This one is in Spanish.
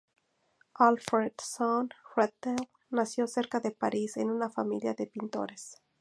Alfred Sohn-Rethel nació cerca de París, en una familia de pintores.